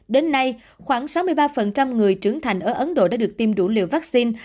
đến nay khoảng sáu mươi ba người trưởng thành ở ấn độ đã được tiêm đủ liều vaccine